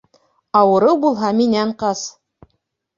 Ауырыу булһа, минән ҡас!